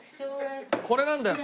これなんだよ。